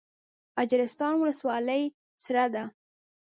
اجرستان ولسوالۍ سړه ده؟